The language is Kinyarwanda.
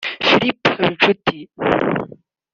Philip Habinshuti